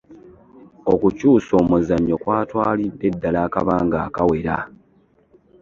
Okukyusa omuzannyo kyatwalidde ddala akabanga akawera.